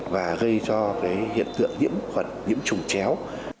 và gây cho hiện tượng nhiễm khuẩn nhiễm trùng chéo